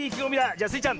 じゃあスイちゃん